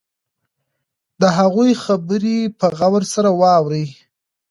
د هغوی خبرې په غور سره واورئ.